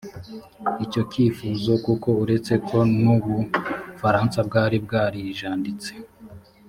icyo kifuzo kuko uretse ko n u bufaransa bwari bwarijanditse